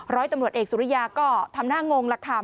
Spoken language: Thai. ร้อยตำรวจเอกสุริยาก็ทำหน้างงล่ะค่ะ